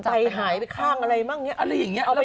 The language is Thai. ไปหายไปข้างอะไรบ้างอะไรอย่างนี้